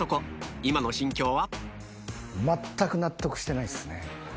今の心境は？